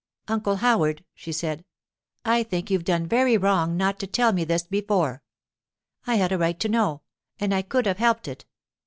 'Uncle Howard,' she said, 'I think you've done very wrong not to tell me this before. I had a right to know, and I could have helped it.